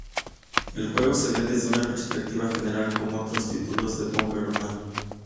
El juego se ve desde una perspectiva general, como otros títulos de "Bomberman".